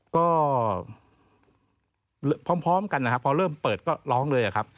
ก็พร้อมกันนะครับพอเริ่มเปิดก็ร้องเลยครับ